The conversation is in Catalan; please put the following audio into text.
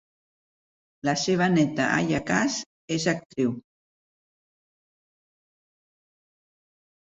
La seva neta Aya Cash és actriu.